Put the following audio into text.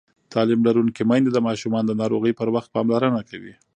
تعلیم لرونکې میندې د ماشومانو د ناروغۍ پر وخت پاملرنه کوي.